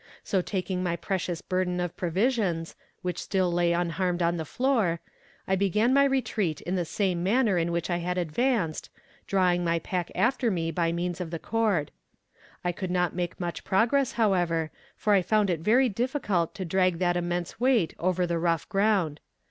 So taking my precious burden of provisions, which still lay unharmed on the floor, I began my retreat in the same manner in which I had advanced, drawing my pack after me by means of the cord. I could not make much progress, however, for I found it very difficult to drag that immense weight over the rough ground.